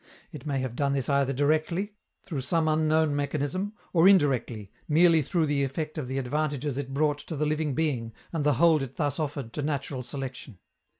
It may have done this either directly, through some unknown mechanism, or indirectly, merely through the effect of the advantages it brought to the living being and the hold it thus offered to natural selection.